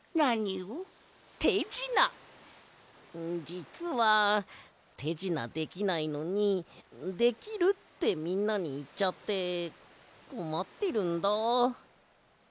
じつはてじなできないのに「できる」ってみんなにいっちゃってこまってるんだ。